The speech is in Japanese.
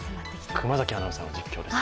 熊崎アナウンサーの実況です。